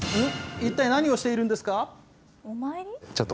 一体、何をしているんですか？